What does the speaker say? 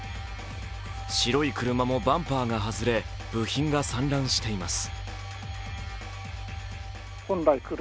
白い車もバンパーが外れ部品が散乱しています。